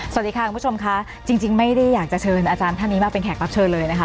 สวัสดีค่ะคุณผู้ชมค่ะจริงไม่ได้อยากจะเชิญอาจารย์ท่านนี้มาเป็นแขกรับเชิญเลยนะคะ